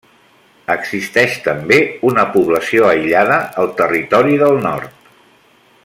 Existeix també una població aïllada al Territori del Nord.